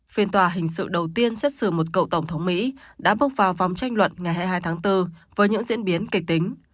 phiên tòa hình sự đầu tiên xét xử một cựu tổng thống mỹ đã bước vào vòng tranh luận ngày hai mươi hai tháng bốn với những diễn biến kịch tính